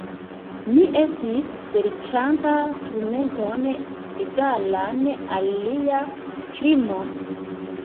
Mi estis serĉanta turmenton egalan al lia krimo.